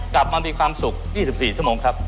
กลับมามีความสุข๒๔ชั่วโมงครับ